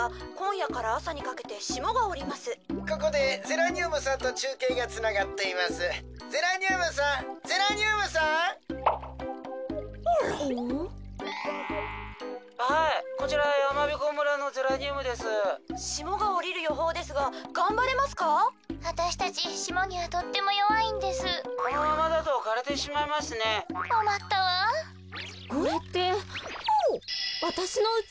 これってわたしのうち？